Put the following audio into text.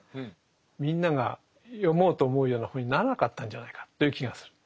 みんなが読もうと思うような本にならなかったんじゃないかという気がする。